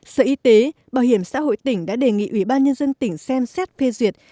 sở y tế bảo hiểm xã hội tỉnh đã đề nghị ủy ban nhân dân tỉnh xem xét phê duyệt